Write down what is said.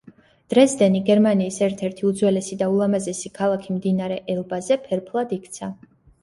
დრეზდენი, გერმანიის ერთ-ერთი უძველესი და ულამაზესი ქალაქი მდინარე ელბაზე, ფერფლად იქცა.